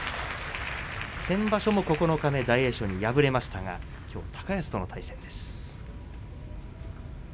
先場所も九日目、大栄翔に敗れましたが、きょうは高安との対戦です。